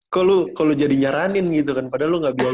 kok lo kalau jadi nyaranin gitu kan padahal lo gak biasa